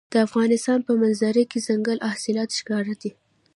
د افغانستان په منظره کې دځنګل حاصلات ښکاره دي.